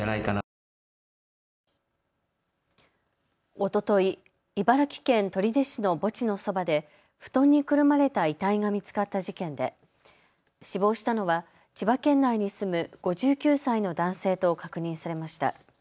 おととい、茨城県取手市の墓地のそばで布団にくるまれた遺体が見つかった事件で死亡したのは千葉県内に住む５９歳の男性と確認されました。